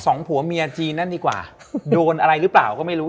สองผัวเมียจีนนั่นดีกว่าโดนอะไรหรือเปล่าก็ไม่รู้